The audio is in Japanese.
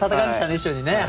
一緒にね。